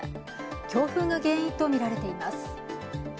強風が原因とみられています。